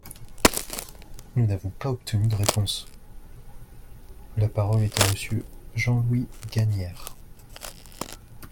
Nous n’avons pas obtenu de réponse ! La parole est à Monsieur Jean-Louis Gagnaire.